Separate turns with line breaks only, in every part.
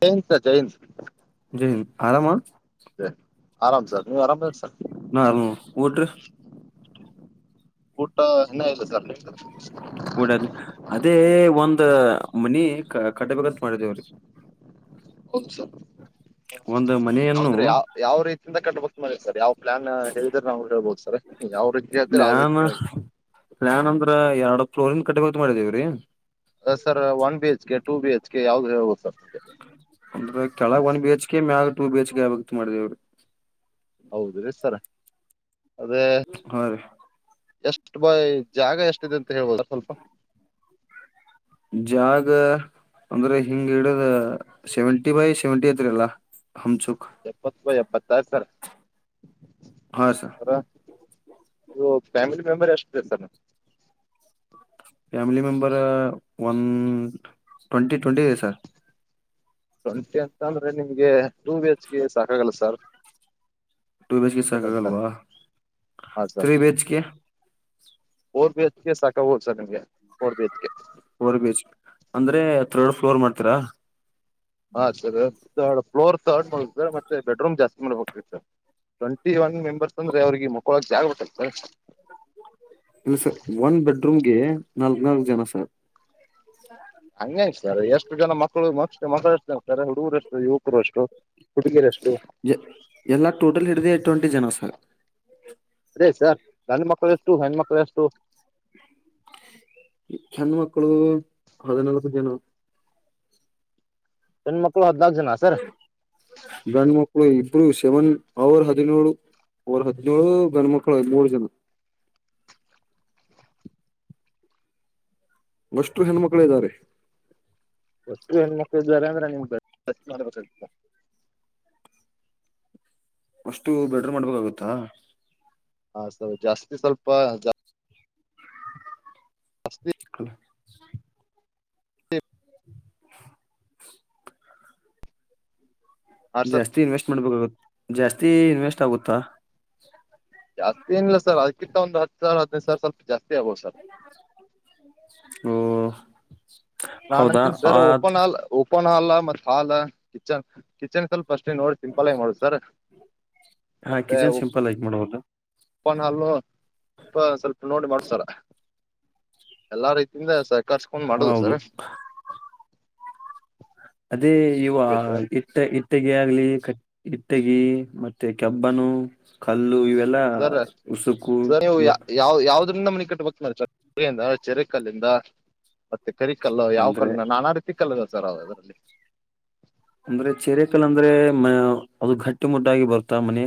ಜೈನ್ಂತ ಜೈನ್ತ್
ಜೈ ಹಿಂದ್. ಆರಾಮ
ಸ ಆರಾಮ್ಸಾರ್ ನೀವ್ ಆರಾಮ್ ಇ ಸರ್
ಹಾ ಆರಾಮ್ ಸರ್ ಊಟ ರಿ
[unintelligible] ಇಲ್ಲ ಸರ್ ನಿಮ್ದು
ಊಟ ಆಯ್ತಾ ಅದೇ ಒಂದ ಮನಿ ಕಟ್ಟಬೇಕ ಅಂತ ಮಾಡಿದೇವ್ರೀ ಒಂದ್ ಮನೆಯನ್ನು
ಹೌದು ರಿ ಯಾವ ಯಾವ ರೀತಿಯಿಂದ ಕಟ್ಟಬೇಕ್ ಮಾಡಿರಿ ಸರ್ ಯಾವ ಪ್ಲಾನ್ ಹೇಳಿದ್ರೆ ನಾವು ಹೇಳ್ಬೋದು ಸರ ಯಾವ್ ರೀತಿ ಕೇಳ್ತಿೀರ ಅವಾವ್ ರೀತಿ ಹೇಳ್ಬೇಕ
ಎರಡ ಫ್ಲೋರಿಂದ ಕಟಬೆಕ್ ಅಂತ ಮಾಡಿದೇವ್ರೀ
ಅದ sir one B H K two B H K ಯಾವ್ದು ಹೇಳಬಹುದು ಸರ್ ನಿಮಗೆ
ಅಂದ್ರೆ ಕೆಳಗ ಒನ್ ಬಿ ಹೆಚ್ ಕೆ ಮ್ಯಾಗ ಟೂ ಬಿ ಹೆಚ್ಗೆ ಆಗಬೇಕ ಅಂತ ಮಾಡಿದವ್ರಿ
ಹೌದ ರಿ ಸರ ಅದೇ
ಹಾ ರೀ
ಎಷ್ಟ ಬಾಯ್ ಜಾಗ ಎಷ್ಟಿದೆ ಅಂತ ಹೇಳ್ಬೋದ ಸ್ವಲ್ಪ
ಜಾಗ ಅಂದ್ರೆ ಹಿಂಗ್ ಹಿಡದ ಸೆವೆಂಟಿ ಬೈ ಸೆವೆಂಟಿ ಐತ್ರರಿ ಎಲ್ಲಾ
ಎಪ್ಪತ್ತ ಬೈ ಎಪ್ಪತ್ತಾ ಸರ್
ಹಾ ಸಾರ್
ನೀವು ಫ್ಯಾಮಿಲಿ ಮೆಂಬರ್ ಎಷ್ಟರಿ sir
family member one twenty twenty ಐತಿ ಸರ್
ಟ್ವೆಂಟಿ ಅಂತ ಅಂದ್ರೆ ನಿಮ್ಗೆ ಟೂ ಬಿ ಎಚ್ ಕೆ ಸಾಕಾಗಲ್ಲ sir
two B H K ಸಾಕಾಗಲ್ವಾ
ಹಾ sir
three B H K
four B ಎಚ್ಗೆ ಸಾಕ ಆಗಬಹುದು ಸರ್ ನಿಮ್ಗೆ four B H K
four beach ಅಂದ್ರೆ ಥರ್ಡ್ ಫ್ಲೋರ್ ಮಾಡ್ತೀರಾ
ಹಾ ಸಾರ್ ಫ್ಲೋರ್ತಾ ರ್ಡ್ ಸರ್ ಮತ್ತೆ ಬೆಡ್ರೂಮ್ ಜಾಸ್ತಿ ಮಾಡಬೇಕ್ ಆಗುತ್ತಾ ಸಾರ್ ಟ್ವೆಂಟಿ ಒನ್ ಮೆಂಬರ್ಸ್ ಅಂದ್ರೆ ಅವ್ರಿಗೆ ಮಕ್ಕೊಳಕ್ ಜಾಗಬೇಕಲ್ಲ ಸರ್
ಇಲ್ಲ ಸರ್ ಒಂದ ಬೆಡ್ರೂಮ್ಗೆ ನಾಲ್ಕ್ ನಲ್ಕ್ ಜನ ಸರ್
ಹಂಗ ಹ್ಯಾಂಗ್ ಸರ್ ಎಷ್ಟು ಜನ ಮಕ್ಕಳು ಮತ್ತ ಮಕ್ಕಳಷ್ಟ್ತಾರೆ ಹುಡುಗರುಷ್ಟು ಯುವಕರು ಏಷ್ಟು
ಎಲ್ಲ ಟೋಟಲ್ ಹಿಡಿದು ಟ್ವೆಂಟಿ ಜನ ಸರ್
ಗಂಡು ಮಕ್ಕಳು ಎಷ್ಟು ಹೆಣ್ಣ ಮಕ್ಳು ಎಷ್ಟು
ಹೆಣ ಮಕ್ಕಳು ಹದಿನಾಲ್ಕು ಜನ
ಹೆಣ ಮಕ್ಳು ಹದ್ನಾಕು ಜನ ಸರ್
ಇಬ್ ಶವನ್ ಅವರ್ ಹದಿನೇಳು ಅವರ್ ಹದಿನೇಳು ಗಂಡ ಮಕ್ಳು ಮೂರು ಜನ [inaudible] ಅಷ್ಟು ಹೆಣ್ಣ್ಮಕ್ಳ ಇದ್ದಾರೆ
ಆಸ್ಟ್ರು ಹೆಣ್ಣು ಮಕ್ಳು ಇದಾರೆ ಅಂದ್ರೆ ನಿಮಗೆ [unintelligible]
ಅಷ್ಟು ಬೆಡ್ರೂಮ್ ಮಾಡ್ಬೇಕಾಗುತ್ತಾ
ಹ ಜಾಸ್ತಿ ಸ್ವಲ್ಪ ಜಾಸ್ತಿ
[unintelligible]
ಹಾ ಸರ್
ಜಾಸ್ತಿ ಇನ್ವೆಸ್ಟ್ ಮಾಡ್ಬೇಕಾಗುತ್ತ ಜಾಸ್ತಿ ಇನ್ವೆಸ್ಟ್ ಆಗುತ್ತಾ
ಜಾಸ್ತಿ ಏನ್ ಇಲ್ಲ ಸರ್ ಅದಕ್ಕಿಂತ ಒಂದು ಹತ್ತು ಸಾವಿರ ಹದಿನೈ ಸಾವಿರ ಸ್ವಲ್ಪ ಜಾಸ್ತಿ ಆಗ್ಬೋದು ಸರ್
ಓ ಹೌದಾ
ನಾನಂತೀನಿ sir open hall open hall ಮತ್ ಹಾಲ್ ಕಿಚನ್ ಕಿಚನ್ ಸ್ವಲ್ಪ ಅಷ್ಟ ನೋಡಿ ಸಿಂಪಲ್ ಆಗಿ ಮಾಡುದು ಸರ್
ಹಾ ಕಿಚನ್ ಸಿಂಪಲ್ ಆಗಿ ಮಾಡಬೇಕು
ಪ್ಪನಲ್ಲು ಸ್ವಲ್ಪ ನೋಡಿ ಮಾಡ್ತಾರ ಎಲ್ಲಾ ರೀತಿಯಿಂದ ಕರ್ಸ್ಕೊಂಡ್ ಮಾಡದು
ಹೌದು
ಸರ್
ಅದೇ ಇವ ಇಟ್ಟ ಇಟ್ಟೆಗೆ ಆಗ್ಲಿ ಇಟ್ಟಗಿ ಮತ್ತೆ ಕೆಬ್ಬನು ಕಲ್ಲು ಇವೆಲ್ಲ
ಸರ್
ಎಲ್ಲ ಉಸುಕು
ಒಂದ ಮನಿ ಕಟ್ಟಬೇಕ್ ಸಾರ್ ಮಾಡ ಚೆರೆ ಕಲ್ಲಿಂದ ಮತ್ತೆ ಕರಿಕಲ್ಲ ಯಾವ್
ಅಂದ್ರೆ
ಕಲ್ಲನ ನಾನಾ ರೀತಿಕ್ಕಲ್ಲ ಸರ್ ಅವ ಅದರಲ್ಲಿ.
ಅಂದ್ರೆ ಚಿರೆಕಲ್ ಅಂದ್ರೆ ಮ ಅದು ಗಟ್ಟಿ ಮುಟ್ಟಾಗಿ ಬರ್ತಾ ಮನೆ.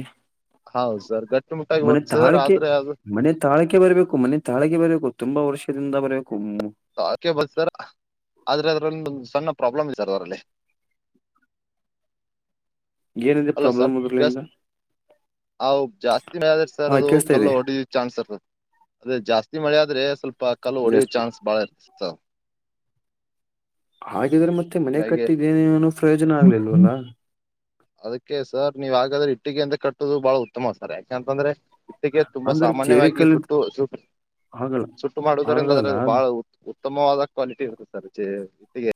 ಹೌದು ಸರ್ ಗಟ್ಟಿ ಮುಟ್ಟಾಗಿ
ಮನೆ
ಬರುತ್ತೆ ಸರ್
ತಾಳಿಕ್
ಆದ್ರೆ ಅದು
ಮನೆ ತಾಳಿಕ್ ಬರ್ಬೇಕು ಮನೆ ತಾಳಗೆ ಬರ್ಬೇಕ. ತುಂಬ ವರ್ಷದಿಂದ ಬರೆ.
ಕೆ ಬರ್ತಾರ ಆದ್ರೆ ಅದ್ರಲ್ಲಿ ಒಂದು ಸಣ್ಣ. ಪ್ರೋಬ್ಲಮ ಇದೇ ಸರ್ ಅದರಲ್ಲಿ.
ಏನಿದೆ ಪ್ರಾಬ್ಲಮ್ ಅದರ್ಲಿಂದ.
ಹ ಜಾಸ್ತಿ ಮ ಆದರ್ ಸರ್ ಅದು
ಕೇಸ್ತಾ
ಕಲ್ಲು
ಇದೆ
ಹೊಡಯೋ ಚಾನ್ಸ್ ಇರ್ತದೆ. ಅದೇ ಜಾಸ್ತಿ ಮಳೆ ಆದ್ರೆ ಸ್ವಲ್ಪ ಕಲ್ಲು ಹೊಡೆಯೋ
ಜಾಸ್ತಿ
ಚಾನ್ಸ್ ಬಾಳ ಇ
ಹಾಗಿದ್ರೆ ಮತ್ತೆ ಮನೆ
ಹೀಗಾಗಿ
ಕಟ್ಟಿದೇನೇನೋ ಪ್ರಯೋಜನ ಆಗ್ಲಿಲ್ವಲ್ಲ.
ಅದಕ್ಕೆ ಸರ್ ನೀವ್ ಹಾಗಾದ್ರೆ ಇಟ್ಟಿಗ ಇಂದ ಕಟ್ಟೋದು ಬಹಳ ಉತ್ತಮ ಸರ್ ಯಾಕೆಂತಂದ್ರೆ. ಇಟ್ಟಿಗೆ ತುಂಬಾ
ಅಂದ್ರೆ
ಸಾಮಾನ್ಯವಾಗಿ
ಚೇರೆಕಲ್
ಸುಟ್ಟು ಸೂ ಸುಟ್ಟು
ಆಗಲ್ಲ
ಸುಟ್ಟು ಮಾಡುವುದರಿಂದ ಅದ್ರ
ಆಗಲ್ಲ
ಬಾಳ ಉತ ಉತ್ತಮವಾದ ಕ್ವಾಲಿಟಿ ಇರ್ತ್ತದೆ ಸರ್ ಇಟ್ಟಿಗೆ.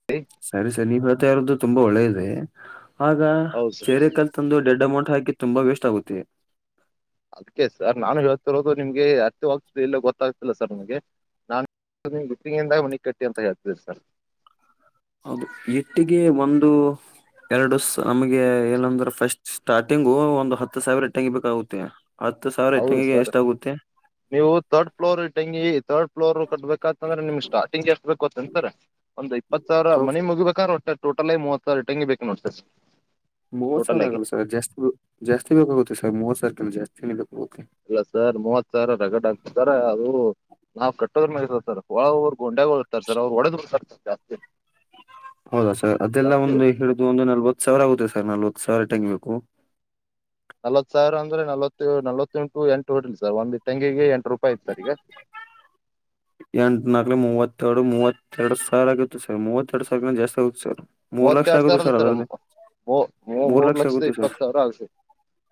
ಸರಿ ಸರಿ ನೀವ್ ಹೇಳ್ತಾ ಇರೋದು ತುಂಬಾ ಒಳ್ಳೇದೆ ಆಗ
ಹೌದು ಸರ್
ಚೇರೆ ಕಲ್ ತಂದು ಡೆಡ್ ಅಮೌಂಟ್. ಹಾಕಿ ತುಂಬಾ ವೇಸ್ಟ್ ಆಗುತ್ತೆ.
ಅದಕ್ಕೆ ಸರ್ ನಾನು ಹೇತಿರೋದು ನಿಮ್ಗೆ ಅರ್ಥವಾಗ್ತ ಇಲ್ಲ ಗೊತ್ತಾಗ್ತಿಲ್ಲ ಸರ್ ನಮಗೆ ನಾನ್. ನೀ ಇಟ್ಟಿಗೆಯಿಂದ ಮನಿ ಕಟ್ಟಿ ಅಂತ ಹೇಳ್ತೀರಿ ಸರ್.
ಹೌದು ಇಟ್ಟಿಗೆ ಒಂದು ಎರಡು ಸಾ ನಮಗೆ ಏನಂದ್ರ ಫಸ್ಟ್. ಸ್ಟಾರ್ಟಿಂಗು ಒಂದು ಹತ್ತು ಸಾವಿರ ಇಟ್ಟಂಗಿ ಬೇಕಾಗುತ್ತೆ. ಹತ್ತು ಸಾವಿರ
ಹೌದು
ಇಟ್ಟಂಗಿಗೆ
ಸರ್
ಎಷ್ಟಾಗುತ್ತೆ
ನೀವು ಥರ್ಡ್ ಫ್ಲೋರ್ ಇಟ್ಟಂಗಿ ಥರ್ಡ್. ಫ್ಲೋರ್ ಕಟ್ಬೇಕ ಅಂತಂದ್ರೆ ನಿಮ್ಗೆ ಸ್ಟಾರ್ಟಿಂಗ್ ಎಷ್ಟ ಬೇಕ ಅಂತರ ಒಂದ್ ಇಪ್ಪತ್ತು ಸಾವಿರ ಮನಿ ಮುಗಿಬೇಕಾದ್ರೆ ಒಟ್ಟ. ಟೋಟಲ್ ಆಗಿ ಮೂವತ್ತು ಸಾವಿರ ಇಟ್ಟಂಗಿ ಬೇಕ ನೋಡ್ ಸರ್.
ಮೂವತ್ ಸರ
ಟೋಟಲ್ ಆಗಿ
ಆಗಲ್ಲ ಸರ್ ಜಾಸ್ತಿ ಜಾಸ್ತಿ ಬೇಕಾಗುತ್ತೆ ಸರ್ ಮೂವತ್ ಸಾವಿರ ಕಿನ ಜಾಸ್ತೇ ಬೇಕಗುತ್ತೆ.
ಇಲ್ಲ ಸರ್ ಮೂವತ್ ಸಾವಿರ ರಗಡ್ ಹಕ್ತತಾರ ಸಾರ್ ಅದು. ನಾವ್ ಕಟ್ಟೋದ್ರ ಮೇಲೆ ಇರುತೆ ಸರ್ ಒವರು ಗೊಂಡೆಗ ಹೋಗತಾರೆ ಸರ್ ಅವ್ರು ಒಡೆದುತ ಜಾಸ್ತಿ ಹೋಗ್ತಾವ.
ಹೌದಾ ಸರ್ ಅದೆಲ್ಲ ಒಂದು ಹಿಡಿದು ಒಂದು ನಲ್ವತ್ ಸಾವಿರ ಆಗುತ್ತೆ ಸರ್ ನಲ್ವತ್ ಸಾವಿರ ಇಟ್ಟಂಗಿ ಬೇಕು. [inaudible]
ನಲ್ವತ್ ಸಾವಿರ ಅಂದ್ರೆ ನಲವತ್ತು ನಲವತ್ತೆಂಟು ಎಂಟು ಓಡಿರಿ ಸರ್ ಒಂದ್ ಇಟ್ಟಂಗಿಗೆ ಎಂಟು ರೂಪಾಯಿ ಐತ್ ಸರ್ ಈಗ
[unintelligible] ಎಂಟ ನಾಕಲೆ ಮೂವತ್ತ. ಮೂವತ್ತೆರಡು ಮೂವತ್ತರಡು ಸಾವರ ಆಗುತ್ತೆ ಸರ್ ಮೂವತ್ತೆರಡು ಸಾವಿರ ಜಾಸ್ತಿ ಆಗುತ್ ಸರ್. ಮೂರ್ ಲಕ್ಷ
ಮೂವತ್ತೆರಡು
ಆಗುತ್ತೆ
ಸಾವಿರ ಅಲ್ಲ ಸರ್
ಅದರದ್ದು ಮೂರ್
ಮೂರು
ಲಕ್ಷ
ಲಕ್ಷದ
ಆಗುತ್ತೆ ಸರ್
ಇಪ್ಪತ್ ಸಾವಿರ ಆಗ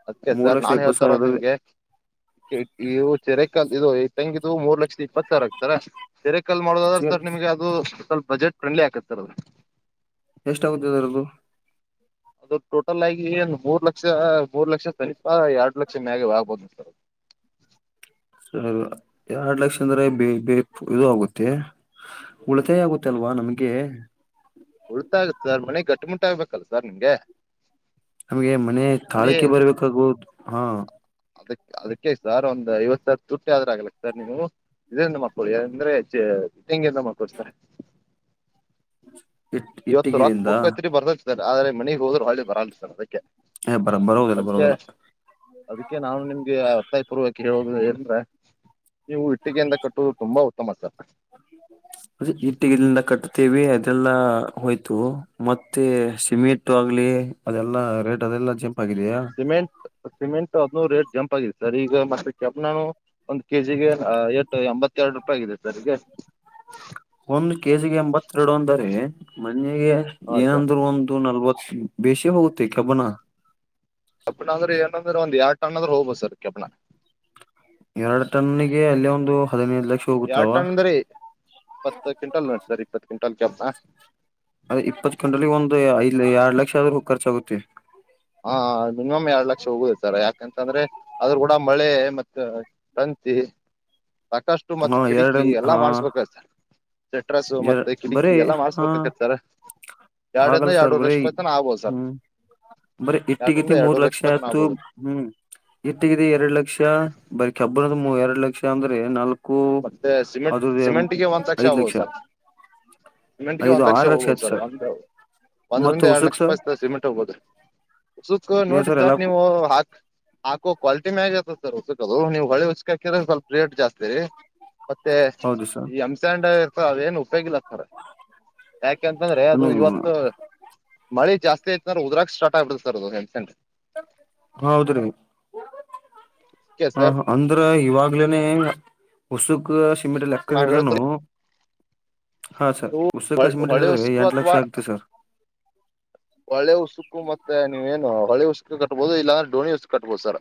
ಅದ್ಕೆ
ಮೂರ್
ಸರ್
ಲಕ್ಷ
ನಾನ್
ಇಪ್ಪತ್ ಸಾವಿರ
ಹೇಳ್ತಾರೋದು
ಅದ್ರದ್ದ
ನಿಮ್ಗೆ ಇವು ಚಿರೆ ಕಲ್ ಇದು ಇಟ್ಟಂಗಿದು ಮೂರ್ ಲಕ್ಷದ ಇಪ್ಪತ್ತು ಸಾವಿರ ಆಗ್ತಾದ ಸರ್. ಸೆರೆ ಕಲ್ ಮಾಡೋದಾದ್ರೆ
ಚೇರ್
ಸರ್ ನಿಮ್ಗೆ ಅದು ಸ್ವಲ್ಪ ಬಜೆಟ್ ಫ್ರೆಂಡ್ಲಿ ಆಕತ್ತ ಸರ್ ಅದು.
ಎಷ್ಟಾಗುತ್ತದ್ ಅದ್ರುದು.
ಅದು ಟೋಟಲ್ ಆಗಿ ಏಮೂರ್ ಲಕ್ಷ ಮೂರು ಲಕ್ಷ ಸನಿಪ ಎರಡು ಲಕ್ಷ ಮ್ಯಾಗೆ ಒಳಗ ಬರ್ತದ ಸರ್ ಅದು.
ಸರ್ ಎರಡ್ ಲಕ್ಷ ಅಂದ್ರೆ ಬ ಬೇಕು ಇದು ಆಗುತ್ತೆ. ಉಳಿತಾಯ ಆಗುತ್ತೆ ಅಲ್ವಾ ನಮ್ಗೆ.
ಉಳಿತಾಯ ಆಗುತ್ತೆ ಸರ್ ಮನೆ ಗಟ್ಟಿ ಮುಟ್ಟ ಆಗ್ಬೇಕಲ್ಲ ಸರ್ ನಿಮ್ಗೆ.
ನಮ್ಗೆ ಮನೆ
ಮನಿ
ತಾಳಿಕೆ ಬರ್ಬೇಕಾಗೋದು ಹಾ.
ಅದಕ್ ಅದಕ್ಕೆ ಸರ್ ಒಂದ್ ಐವತ್ತು ಸಾವರದ ತುಟ್ಟಿ ಆದ್ರೂ ಆಗ್ಲಕ್ಕೆ ಸರ್ ನೀವ ಇದರಿಂದ ಮಕ್ಕಳು ಯಾಂದ್ರೆ ಹೆಂಗೆಂದ ಮಾಡ್ಕೊಳ್ಳಿ ಸರ್.
[inaudible]
ಇವತ್ತು ರೊಕ್ಕ
ಇಟ್ಟಿಗೆಲಿಂದ
ಹೋಗಕತಿರಿ ಬರ್ತದ ಸರ್ ಆದ್ರೆ ಮನೆಗ್ ಹೋದ್ರ ಒಳ್ಳಿ ಬರಲ್ಲ ಸರ್ ಅದಕ್ಕೆ.
ಏ ಬರ ಬರೋದಿಲ್ಲ
ಅದಕ್ಕೆ
ಬರೋದಿಲ್ಲ
ಅದಕ್ಕೆ ನಾನು ನಿಮ್ಗೆ ಒತ್ತಾಯ ಪೂರ್ವಕ ಹೇಳ ಅದ್ಕೆ ನೀವು ಇಟ್ಟಿಗೆಯಿಂದ ಕಟ್ಟೋದು ತುಂಬಾ ಉತ್ತಮ ಸರ್.
[inaudible] ಅದ ಇಟ್ಟಗಲಂದ ಕಟ್ಟುತ್ತೇವಿ ಅದೆಲ್ಲಾ ಹೋಯ್ತು ಮತ್ತೆ ಸಿಮೆಂಟ್ ಆಗ್ಲಿ ಅದೆಲ್ಲಾ ರೇಟ್ ಅದೆಲ್ಲಾ ಜಂಪಗಿದೇಯಾ.
ಸಿಮೆಂಟ್ ಸಿಮೆಂಟ್ ಆದ್ನು ರೇಟ್ ಜಂಪ್ ಆಗಿದೆ ಸರ್ ಈಗ ಮತ್ತೆ ದೊಡ್ಡಣ್ಣ ನಾನು ಒಂದ್ ಕೆ ಜಿಗೆ ಐವತ್ತು ಎಂಬತ್ತು. ಎರಡು ರೂಪಾಯಿ ಆಗಿದೆ ಸರ್ರಿಗೆ
ಒಂದು ಕೆಜಿಗೆ ಎಂಬತ್ತೆರಡು ಅಂದರೆ ನಗೆ
ಹಾ ಸರ್
ಏನಂದ್ರರು ಒಂದು ನಲ್ವತ್ತು ಬೇಸಿ ಹೋಗುತ್ತೆ ಕಬನ
ಕಪ್ಪಣ ಅಂದ್ರೆ ಏನಂದ್ರೆ ಒಂದ್ ಎರ ಟಣ ಅಂದ್ರೆ ಹೋಗಬ ಸರ್ ಕೆಪಣ
ಎರಡು ಟನಿಗೆ ಅಲ್ಲಿ ಒಂದು ಹದಿನೈದು ಲಕ್ಷ ಹೋಗುತ್ತಾವ
ಎಡ್ ಟಣ ಅಂದ್ರರಿ ಇಪ್ಪತ್ತು ಕ್ವಿಂಟಾಲ್ ನೋಟತರಿ ಇಪ್ಪತ್ ಕ್ವಿಂಟಾಲ್ ಕೆಪ
ಅದ ಇಪ್ಪತ್ ಕಂಡಲ್ಲಿ ಒಂದು ಐ ಎರಡ್ ಲಕ್ಷ ಆದ್ರೂ ಖರ್ಚಾಗುತ್ತೆ
ಹಾ ಮಿನಿಮಮ್ ಎರಡು ಲಕ್ಷ ಹೋಗುದುದು ಸರ್ ಯಾಕ್ರ ಂದ್ರೆ ಆದ್ರ ಕೂಡ ಮಳೆ ಮತ್ತ ತಂತಿ ಸಾಕಷ್ಟು ಮತ್
ಹಾ ಎರಡ
ಕಿಟಕಿ ಎಲ್ಲಾ
ಹಾ
ಮಾಡ್ಸ್ಬೇಕಾಯತರ್ ಸೆಟ್ರಸ್ು
ಎರ
ಮತ್ತೆ ಕಿಟಕಿ
ಬರೀ
ಎಲ್ಲ
ಹಾ
ಮಾಡಸ್ಬೇಕಕತ್ತಾರ ಎರಡಂದ
ಹಾಗಲ್ಲ ಸರ್
ಎರಡುೂರು ಲಕ್ಷ ರೂಪಾಯ ತನ ಆಗ್ಬೋದು ಸರ್
ಬರ ಇಟ್ಟಗತಿ
ಎರಡರಿಂದ
ಮೂರ್
ಎರಡೂವರೆ
ಲಕ್ಷ
ರೂಪಾಯಿ ತನ
ಆಯತು
ಆಗ್ಬೋದು
ಹ್ಮ್ ಗಿಟ್ಟಗಿದ ಎರಡ್ ಲಕ್ಷ ಬರ ಹಬ್ಬರದ ಎರಡ್ ಲಕ್ಷ ಅಂದ್ರೆ ನಾಲ್
ಮತ್ತೆ ಸಿಮೆಂಟ್ ಸಿಮೆಂಟ್ಗೆ ಒಂದ್ ತಕ್ಷ
ಐದ್
ಆಗ್ಬೊದು
ಲಕ್ಷ
ಸರ್ ಇಮೆಂಟ್ಗೆ
ಐದು
ಒಂದ್ ಲಕ್ಷ
ಆರು
ಹೋಗಬೋದು
ಆಯ್ತು
ಸರ್ ಒ ಒಂದ್ರಂದ
ಮತ್ತ
ಎರಡ್
ಉಸುಕ್
ಲಕ್ಷ
ಸರ್
ರೂಪಾಯಿ ಇತದೆ ಸಿಮೆಂಟ್ ಹೋಗಬಹದು ಉಸುಕ್
ಏನ್
ನೋಡಿ
ಎಲ್ಲ
ಸರ್ ನೀವು ಹಾಕ್ ಹಾಕೋ ಕ್ವಾಲಿಟಿ ಮಿ ಆಗತ್ತ ರ್ದು ನೀವು ಹಳಿ ಹಚ್ಕಿದ್ರ ಸ್ವಲ್ಪ ರೇಟ್ ಜಾಸ್ತಿ ರೀ ಮತ್ತೆ
ಹೌದು ಸರ್
ಈ ಹಂಸಾಂಡ ಇರ್ತ ಅದೇಏನು ಉಪಯೋಗಿಲ್ಲ ಯಾಕೆಂತಂದ್ರೆ ಅದು
ಹ್ಮ್
ಇವತ್ತು ಮಳೆ ಜಾಸ್ತಿಯಐತ ನ ಉದ್ರಾಗ ಸಾರ್ಟ ಆಗ್ಬಡ ಸರ್ ಅದುಂಟ್
ಹೌದ್ರೀ
ಓಕೆ ಸರ್
ಹ ಅಂದ್ರ ಇವಾಗ್ಲೇನೆೇ ಉಸುಕ್ ಸಿಮೆಂಟ್ಲ್ಲಿ ಲೆಕ್ಕ
ನಾವ್
ಹಿಡ್ದನು
ಹೇಳ್ತೀವಿ
ಹಾ ಸರ್
ನೀವು
ಉಸ ಕಶಮೀರಿ
ಹೊಳೆ
ಹೇಳಿದ್ರೆ
ಉಸುಕು
ಎಂಟು ಲಕ್ಷ
ಅಥವಾ
ಆಗ್ತೆ ಸರ್
ಹೊಳೆ ಹುಸುಕು ಮತ್ತೆ ನೀವೇನು ಹೊಳೆ ಹುಸುಕ ಕಟ್ಬೋುದು ಇಲ್ಲಾಂದ್ರೆ ಡೋಣಿ ಹುಸುಕು ಕಟ್ಬೋದು ಸರ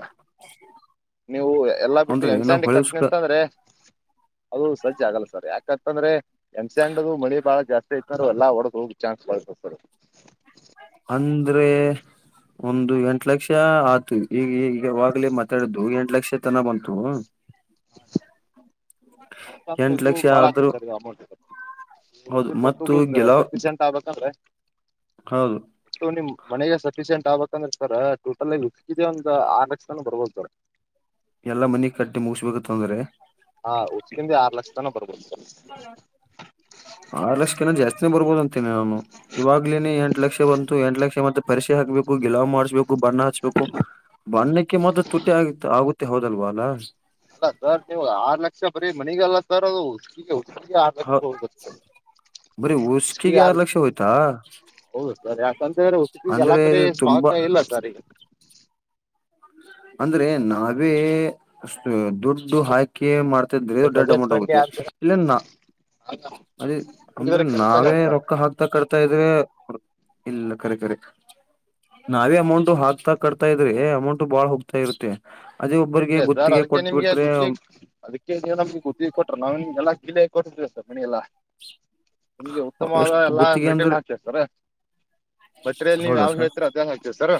ನೀವು ಎಲ್ಲಾ ಬಿಟ್ಟು
ಅಂದ್ರೆ ನಾವ್
ಹೆಣ್ಸಂಡಿ
ಹೊಳೆ
ಕಟ್ನಿ
ಉಸುಕ
ಅಂತ ಅಂದ್ರೆ ಅದು ಸಜ ಆಗಲ್ಲ ಸರ್ ಯಾಕೆ ತ್ಂದ್ರೆ ಎ್ಸ್ಯಾಂಡ ಮಳಿ ಬಾಳ ಜಾಸ್ತಿ ಐತ ಅಂದ್ರು ಎಲ್ಲಾ ಒಡೋದ ಹೋಗ್ ಚಾನ್ಸ್ ಬಾಳತತರ್
ಅಂದ್ರೆ ಒಂದು ಎಂಟ ಲಕ್ಷ ಆಯತು ಈಗ ಈಗವಾಗಲೇ ಮಾತಾಡಿದ್ದು ಎ ಎಲಕ್ಷತನ ಬನ್ತು ಹ
ಯಾಕಂದ್ರೆ ಇದು ಬಾಳ ಹೆರ್ಚ್ಚಾಗಿದೆ ಅಮೌಂಟ್
ಹೌದು
ಇದೆ
ಮತ್ತು
ಕೊಟ್ಟೋಗಲ್
ಗೆಲಾವ್
ಖರ್ಪೀಚ ಅಂತ ಆಗ್ಬೇಕಂದ್ರೆ
ಹೌದು
ನಿ ಮನೆಗೆ ಸಫಿಶಿಯಂಟ್ ಆಗಕ್ ರ್ತಾರ ಟೋಟಲ್ಲ್ಲಿ ಉಕಿದ ಒಂದ್ ಆ ಲಕ್ಷನ ಬರ್ಬೋದಾರೆ
ಎಲ್ಲಾ ಮನ ಕಟ್ಟಿ ಮುಗಸ್ಬೇಕು ತೊಂದ್ರೆ
ಹಾ ಉಸಕಿಂದ ಆರು ಲಕ್ಷ ತನ ಬರ್ಬೋದು ಸರ್
ಆರು ಲಕ್ಷನ ಜಾಸ್ತಿನೇ ಬರ್ಬೋದಂತ ನಾನು ಇವ್ಲೇನೆ ಎಂಟ್ ಲಕ್ಷ ಬಂತು ಎಂಟ್ ಲಕ್ಷ ಮತ್ತೆ ಪರಿಕ್ಷೆ ಹಾಕ್ಬೇಕು ಗಗೆಲ್ ಮಾಡ್ಸ್್ಕು ಬಣ್ಣ ಹಾಚ್ಬೇಕು ಬಣ್ಣಕ್ಕೆ ಮಾತ್ರ ತುಟಿ ಆಗ ಆಗುತ್ತೆ ಹೌದಲ್ವ ಅಲ್ಲ
ಅಲ್ಲ ಸರ್ ನೀವು ಆರ್ ಲಕ್ಷ ಬರೀ ಮನಗಲ್ಲ ಸರ್ ಅದು ಅ ಆಗಕ್ಕೆ
ಹ
ಹೋಗ ಗೊತ್ತ
ಬರೀ ಉಷಕಿಗೆ ಆರ್ ಲಕ್ಷ ಹೋಯ್ತಾ
ಹೌದು ಸರ್ ಯಾಕಂತಂದ್ರೆ ಉಸಿಕಿಗೆ ಎಲ್ಲಾ
ಅಂದ್ರೆ
ಕಡೆ
ಇದು
ಸ್ಟಾಕ್
ತುಂಬಾ
ಇಲ್ಲ ಸರ್ ಈಗ
ಅಂದ್ರೆ ನಾವೇ ದುಡ್ಡು ಹಾಕಿ ಮಾಡ್ತ ದೊಡ್ಡ
ಬಜೆಟ್
ಅಮೌಂಟ್
ಫ್ರೆಂಡ್ಲಿ
ಆಗುತ್ತೆ
ಆಗ್ತದೆ
ಇಲ್ಲ ಅದ ಅಂದ್ರೆ
ಹಂಗಿದ್ರೆ ಕೆಲಸ
ನಾವೇ
ಆಗಲ್ಲ ಸರ್
ರೊಕ್ಕ ಹಾಕ್ತಾ ಕಟ್ತಾ ಇದ್ರೆ ಇಲ್ಲ ಕರೆ ಕಖರೆ ನಾವೇ ಅಮೌಂಟ್ ಹಾಕ್ತಾ ಕಡ್ತಾ ಇದ್ರೆ ಅಮೌಂಟ್ ಬಾಳ ಹೋಗ್ತಾ ಇರುತ್ತೆ ಅದೇ ಒಬ್ಬರಿಗೆ
ಅದಕ್ಕೆ ಸರ್
ಗುತ್ತಿಗೆ
ಅದಕ್ಕೆ ನಿಮ್ಗೆ
ಕೊಟ್ಬಿಟ್ರೆ
ಗ್ಿಗೆ ಅದಕ್ಕೆ ನೀ ನಮ್ಗೆ ಗುತ್ತಿಗೆ ಕೊಟ್ರ ನಾ್ ನಿಮ್ಗೆಲ್ಲಾ ಕಲ ಕೊಟ್ಟ ಸರ್ ಮಿ ಎಲ್ಲಾ ನಿಮಗೆ ಉತ್ತಮವಾದ
ಎಷ್ಟು
ಎಲ್ಲಾ
ಗುತ್ತಿಗೆ
ಮೆಟೀರಿಯಲ್
ಅಂದ್ರೆ
ಹಾಕ್ ಸರ ಮಟೀರಿಯಲ್ ನೀವ
ಹೌದಾ
ಯಾವ
ಸರ್
ಹೇಳ್ತರ ಅದೇ ಹಚಾತಿವ ಸರ.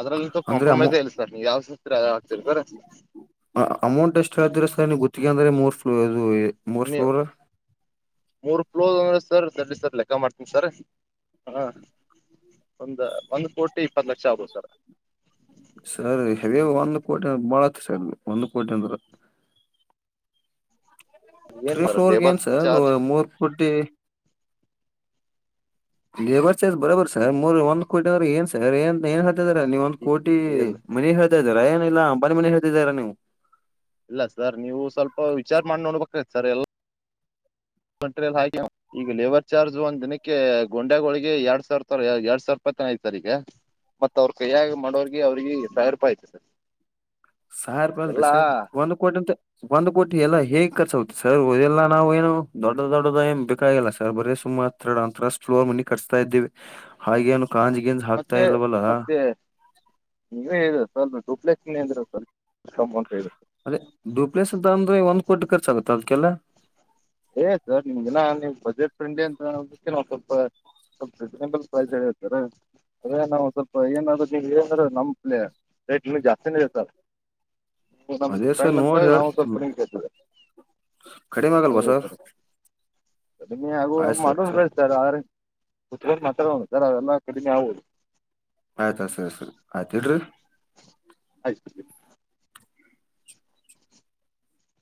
ಅದ್ರಲ್ಲಂತೂ ಕಾಂಪ್ರಮೈಸ್ ಇಲ್ಲ ಸರ್ ನೀವು ಯಾವದ.
ಹ ಅಮೌಂಟ್ ಎಷ್ಟ್ ಹೇಳ್ತೀರ ಸರ್ ನೀವ ಗೊತ್ತಿಗೆ ಅಂದ್ರೆ ಮೂರ್ [unintelligible] ಇದು. ಮೂರ್
ನೀ
ಫ್ಲೋರ್
ಮೂರ್ ಪ್ಲೋಸ್ ಅಂದ್ರ. ಸರ್ ತಡಿ ಸರ್ ಲೆಕ್ಕ ಮಾಡ್ತೀನಿ ಸರ್ ಹಾ. ಒಂದ ಒಂದ್ ಕೋಟಿ ಇಪ್ಪತ್ ಲಕ್ಷ ಆಗ್ಬೊದು ಸರ್.
ಸರ್ ಹೆವಿ ಒಂದ ಕೋಟಿ ಅಂದ್ರ ಬಾಳ ಆತ ಸರ್ ಒಂದು ಕೋಟಿ ಅಂದ್ರ.
ಏನು
ತ್ರೀ
ಮಾಡೋದು
ಫೋರ್
ಲೇಬರ್
ಗೇನ್ ಸರ್
ಚಾರ್ಜ್
ಮೂರ್ ಪುಟ್ಟಿ. ಲೇಬರ್ ಚಾರ್ಜ್ ಬರೋಬರ್ ಸರ್ ಮೂರ್ ಒಂದ್ ಕೋಟಿ ಅಂದ್ರ ಏನ್ ಸರ್ ಏನ್ ಏನ. ಹೇಳ್ತಿದೀರಾ ನೀವ ಒಂದ ಕೋಟಿ
ಇಲ್ಲ
ಮನೆ ಹೇಳ್ತಾ ಇದಿರಾ ಏನ್ ಇಲ್ಲ ಅಂಬಾನಿ ಮನೆ ಹೇಳ್ತಿದ್ದಾರಾ ನೀವು.
ಇಲ್ಲ ಸರ್ ನೀವು ಸ್ವಲ್ಪ ವಿಚಾರ ಮಾಡಿ ನೋಡ್ಬೇಕ ಸರ್ ಎಲ್ಲ. ಮೆಟೀರಿಯಲ್ ಹಾಕಿ ನೀವ ಈಗ ಲೇಬರ್ ಚಾರ್ಜ್ ಒಂದ ದಿನಕ್ಕೆ ಗಂಡೆಗಳಳಿಗೆ ಎರಡ್ ಸಾವಿರ ತ ಎರಡ್ ಸಾವಿರ ರೂಪಾಯಿ. [unintelligible] ಆಯ್ತ ತರ ಈಗ ಮತ್ ಅವ್ರ ಕೈಯ್ಯಾಗ ಮಾಡೋರ್ಗೆ ಅವ್ರಿಗೆ ಸಾವಿರ ರೂಪಾಯಿ ಆಯ್ತಿ ಸರ್.
ಸರ್ ಬರ್ಲಿರಿ
ಎಲ್ಲಾ
ಸರ್ ಒಂದ್ ಕೋಟಿ ಅಂತ ಒಂದ್ ಕೋಟಿ ಎಲ್ಲಾ ಹೇಗ್ ಕರ್ಚ ಆಗುತ್ತ ಸರ್ ಅವು. [unintelligible] ನಾವು ಏನು ದೊಡ್ಡ ದೊಡ್ಡ ಆಗಿ ಏನ ಬೇಕಾಗಿಲ್ಲ ಸರ್ ಬರ ಸುಮ್ [unintelligible] ಒಂದ ಟ್ರಸ್ಟ್ ಫ್ಲೋರ್ ಮನಿ ಕಟ್ಟಿಸ್ತಾ ಇದ್ದೀವಿ. ಹಾಗೆ ನು.
ಮತ್ತೆ ಮತ್ತೆ ನೀವೇ ಹೇಳಿ ಸರ್ ದುಪ್ಲೆಕ್ಸ್. [unintelligible] [unintelligible]
ಉಟಕೆ ಖರ್ಚ ಆಗುತ್ತ ಅದ್ಕ್ಕೆಲ್ಲ.
ಎನ್ ಸರ್ ನಿಮಗ ಇನ್ನ ನೀ ಬಜೆಟ್ ಫ್ರೆಂಡಿ ಅಂತೋದಕ್ಕೆ ನಾವ್ ಸ್ವಲ್ಪ. ಸ್ವಲ್ಪ ರೀಸನಬಲ್ ಪ್ರೈಜ್ ಹೇಳವ್ರಿ ಸರ ಸರ್ ರ ನಾವು ಸ್ವಲ್ಪ ಏನಾದ್ರೂ ಏನ ನಮ್ಮ್ ಪ್ಲೇರ್. ರೇಟ್ ಇನ್ನು ಜಾಸ್ತಿ ನ ಇರ್ತಾವ್ರಿ. ನಮ್ಮ್
ಅದೇ ಸರ್
ಫ್ರೆಂಡ್ ಅಂತ
ನೋಡಿ
ಹೇಳಿ ನವು ಸಲ್ಪ ಕಡಿಮೆ ಕೇಳ್ತೀವ್ರಿ.
ಕಡಿಮೆ ಆಗಲ್ವಾ
[unintelligible]
ಸರ್
ಸರಿ ಕಡಿಮಿ ಆಗೂ
ಆಯ್ತು
ಹಂಗ್
ಸರ್
ಮಾಡೋನರಿ ಸರ್ ರ ಆ್ರದ್ರೆ. ಕುತ್ಕೊಂಡ ಮಾತಾಡೋನ್ ಸರ್ ಅವೆಲ್ಲ ಕಡಿಮೆ ಆಗ್ಬಹುದು.
ಆಯ್ತು ಆಯ್ತು ಸರಿ ಸರಿ ಆಯ್ತು ಇಡ್ರಿ
ಆಯ್ತು.